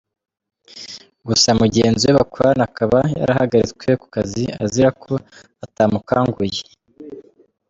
Gusa mugenzi we bakorana akaba yarahagaritswe ku kazi azira ko atamukanguye.